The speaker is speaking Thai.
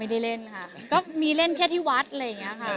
เล่นค่ะก็มีเล่นแค่ที่วัดอะไรอย่างนี้ค่ะ